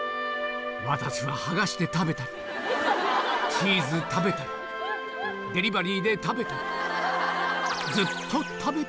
「私は剥がして食べたりチーズ食べたりデリバリーで食べたり」